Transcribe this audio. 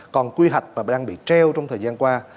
còn quy hoạch và đang bị treo trong thời gian qua